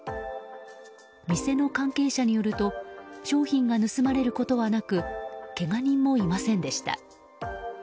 店の関係者によると商品が盗まれることはなくけが人もいませんでした。